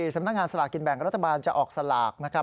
สำนักงานสลากกินแบ่งรัฐบาลจะออกสลากนะครับ